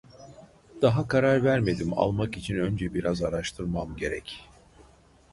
Daha karar vermedim almak için önce biraz araştırmam gerek